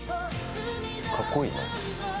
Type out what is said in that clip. かっこいいな。